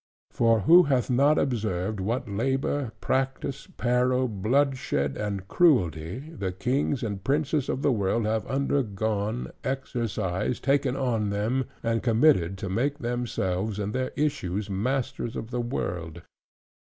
For who hath not observed, what labor, practice, peril, bloodshed, and cruelty, the kings and princes of the world have undergone, exercised, taken on them, and committed; to make themselves and their issues masters of the world?